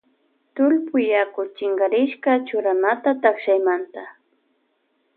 Tullpuyaku chinkarishka churanata takshaymanta.